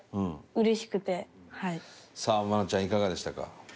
さあ愛菜ちゃんいかがでしたか？